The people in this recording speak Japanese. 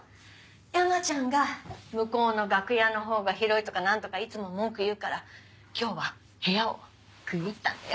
山ちゃんが向こうの楽屋の方が広いとか何とかいつも文句言うから今日は部屋を区切ったんだよ。